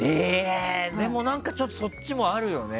でも、そっちもあるよね。